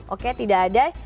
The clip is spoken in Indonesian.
oke tidak ada